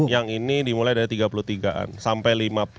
yang ini dimulai dari tiga puluh tiga an sampai lima puluh